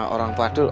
orang tua adul